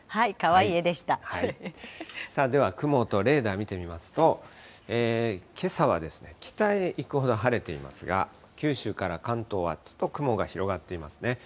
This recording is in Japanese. では、雲とレーダー見てみますと、けさは北へ行くほど晴れていますが、九州から関東は、ちょっと雲が広がっていますね。